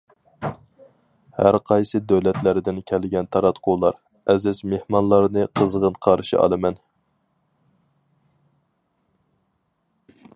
ھەر قايسى دۆلەتلەردىن كەلگەن تاراتقۇلار، ئەزىز مېھمانلارنى قىزغىن قارشى ئالىمەن!